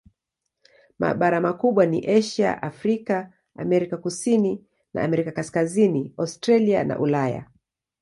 Mabara makubwa ni Asia, Afrika, Amerika Kusini na Amerika Kaskazini, Australia na Ulaya.